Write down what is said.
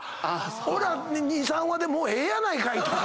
おいら２３話でもうええやないかい！とか。